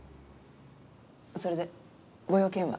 それでご用件は？